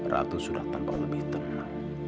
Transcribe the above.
ratu sudah tampak lebih tenang